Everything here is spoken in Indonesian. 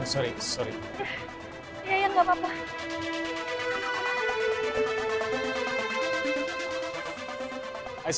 pasti sekolah kita menemukan nama racundan untuk